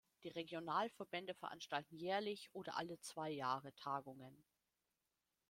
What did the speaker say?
Die Regionalverbände veranstalten jährlich oder alle zwei Jahre Tagungen.